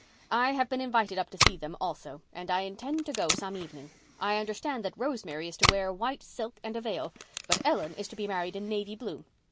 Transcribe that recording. "I have been invited up to see them also and I intend to go some evening. I understand that Rosemary is to wear white silk and a veil, but Ellen is to be married in navy blue.